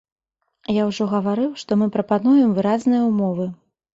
Я ўжо гаварыў, што мы прапануем выразныя ўмовы.